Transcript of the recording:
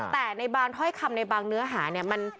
แต่ในท่อยคำในบางเนื้ออาหาร